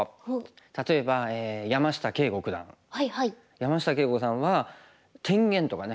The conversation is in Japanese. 山下敬吾さんは天元とかね。